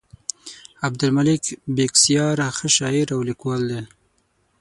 عبدالمالک بېکسیار ښه شاعر او لیکوال دی.